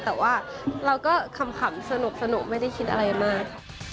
แต่ว่าเราก็ขำสนุกไม่ได้คิดอะไรมาก